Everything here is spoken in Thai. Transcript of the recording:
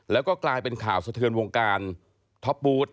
แล้วก็กลายเป็นข่าวสะเทือนวงการท็อปบูธ